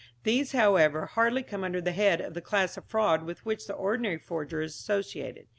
These, however, hardly come under the head of the class of fraud with which the ordinary forger is associated.